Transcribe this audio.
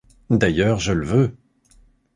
D’ailleurs, je le veux !